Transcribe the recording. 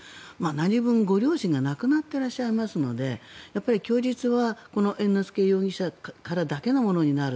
何分ご両親が亡くなってらっしゃいますので供述は猿之助容疑者からだけのものになる。